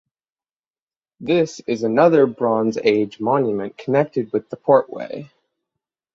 This is another Bronze Age monument connected with the Portway.